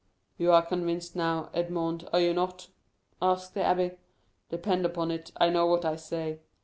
"You are convinced now, Edmond, are you not?" asked the abbé. "Depend upon it, I know what I say.